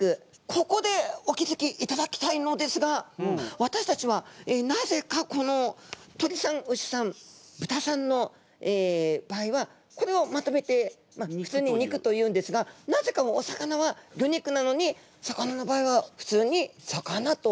ここでお気付きいただきたいのですがわたしたちはなぜかこの鳥さん牛さん豚さんの場合はこれをまとめてふつうに肉と言うんですがなぜかお魚は魚肉なのに魚の場合はふつうに魚と言っちゃうわけですね。